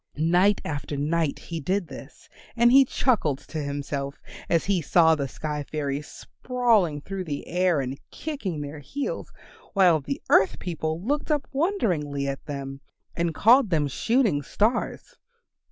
Night after night he did this, and he chuckled to himself as he saw the sky fairies sprawling through the air and kicking their heels, while the earth people looked up wonderingly at them and called them Shooting Stars.